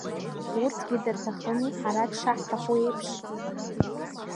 Урҭгьы дырҭахыми ҳара дшаҳҭаху еиԥш.